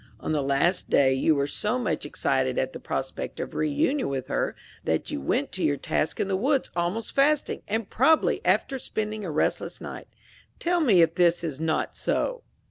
On the last day you were so much excited at the prospect of reunion with her, that you went to your task in the woods almost fasting, and probably after spending a restless night. Tell me if this is not so?"